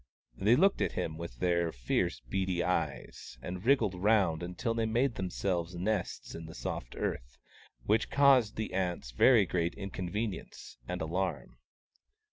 They looked at him with their fierce, beady eyes, and wriggled round until they made themselves nests in the soft earth, which caused the ants very great inconvenience and alarm.